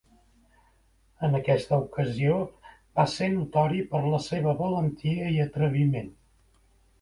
En aquesta ocasió va ser notori per la seva valentia i atreviment.